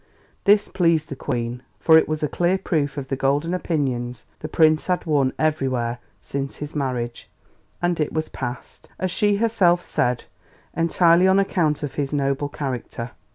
This pleased the Queen, for it was a clear proof of the golden opinions the Prince had won everywhere since his marriage, and it was passed, as she herself said, entirely on account of his noble character.